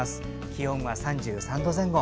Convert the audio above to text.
気温は３３度前後。